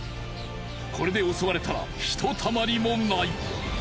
これで襲われたらひとたまりもない。